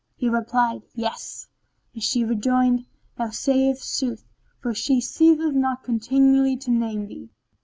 He replied, "Yes," and she rejoined, "Thou sayest sooth; for she ceaseth not continually to name thee."